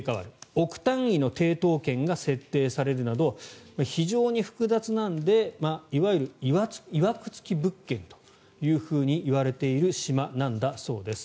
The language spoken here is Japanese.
億単位の抵当権が設定されるなど非常に複雑なのでいわゆるいわく付き物件といわれている島なんだそうです。